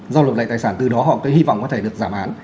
giao lột lại tài sản từ đó họ cứ hy vọng có thể được giảm án